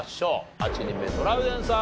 ８人目トラウデンさん